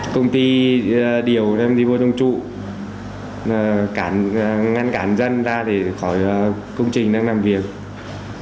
công ty điều em đi vô đông trụ ngăn cản dân ra khỏi công trình đang làm việc